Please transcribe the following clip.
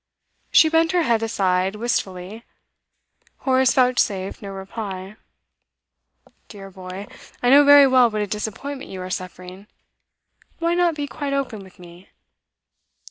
She bent her head aside, wistfully. Horace vouchsafed no reply. 'Dear boy, I know very well what a disappointment you are suffering. Why not be quite open with me?